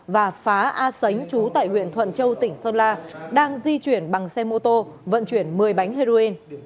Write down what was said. và phá a sánh chú tại huyện thuận châu tỉnh sơn la đang di chuyển bằng xe mô tô vận chuyển một mươi bánh heroin